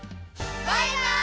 バイバイ！